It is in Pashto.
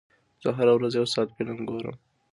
زه هره ورځ یو ساعت فلم ګورم.